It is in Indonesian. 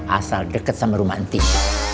asal deket sama rumah ntih